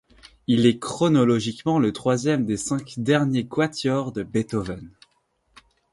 Il est chronologiquement le troisième des cinq derniers quatuors de Beethoven.